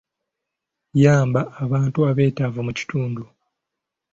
Yamba abantu abeetaavu mu kitundu.